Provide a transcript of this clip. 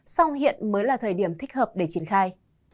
song hiện mới là thời điểm thích hợp để triển khai